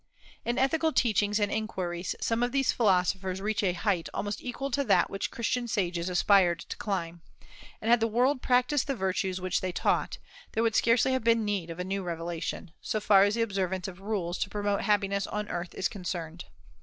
In ethical teachings and inquiries some of these philosophers reached a height almost equal to that which Christian sages aspired to climb; and had the world practised the virtues which they taught, there would scarcely have been need of a new revelation, so far as the observance of rules to promote happiness on earth is concerned.